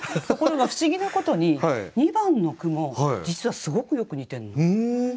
ところが不思議なことに２番の句も実はすごくよく似てるの。